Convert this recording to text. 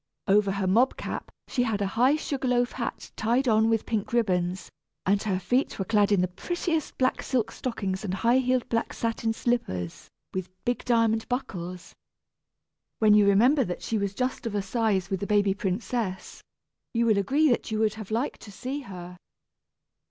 Over her mob cap she had a high sugar loaf hat tied on with pink ribbons, and her feet were clad in the prettiest black silk stockings and high heeled black satin slippers, with big diamond buckles. When you remember that she was just of a size with the baby princess, you will agree that you would have liked to see her.